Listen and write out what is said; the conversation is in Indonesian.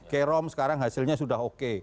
kerom sekarang hasilnya sudah oke